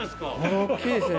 大きいですね。